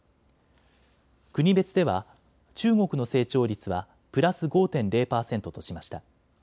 国別では中国の成長率はプラス５．０％としました。